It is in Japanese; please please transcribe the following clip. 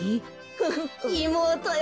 フフッいもうとよ